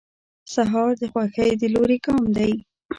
سهار د خوښۍ د لوري ګام دی.